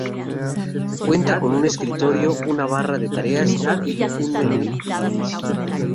Cuenta con un escritorio, una barra de tareas y un menú Inicio.